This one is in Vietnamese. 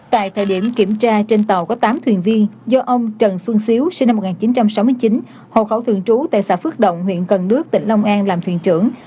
tại thời điểm kiểm tra trên tàu có tám thuyền viên do ông trần xuân xíu sinh năm một nghìn chín trăm sáu mươi chín hộ khẩu thường trú tại xã phước động huyện cần đước tỉnh long an làm thuyền trưởng